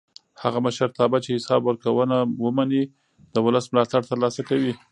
هغه مشرتابه چې حساب ورکوونه ومني د ولس ملاتړ تر لاسه کوي